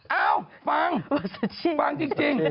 เอ้าฟังฟังจริง